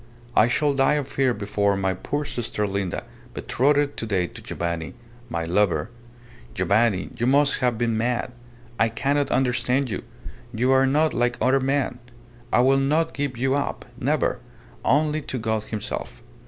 I shall die of fear before my poor sister Linda, betrothed to day to Giovanni my lover! Giovanni, you must have been mad! I cannot understand you! You are not like other men! I will not give you up never only to God himself!